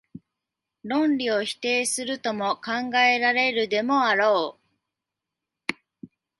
論理を否定するとも考えられるでもあろう。